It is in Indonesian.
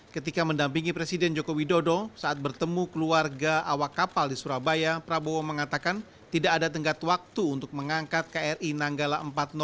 ketika mendampingi presiden joko widodo saat bertemu keluarga awak kapal di surabaya prabowo mengatakan tidak ada tenggat waktu untuk mengangkat kri nanggala empat ratus dua